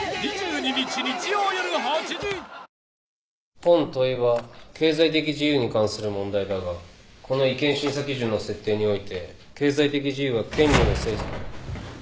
本問は経済的自由に関する問題だがこの違憲審査基準の設定において経済的自由は権利の性。